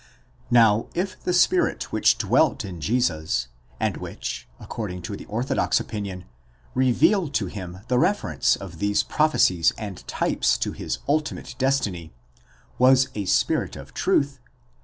Now if the spirit which dwelt in Jesus, and which,' according to the orthodox opinion, revealed to him the reference of these: prophecies and types to his ultimate destiny, was a spirit of truth; this refer 3.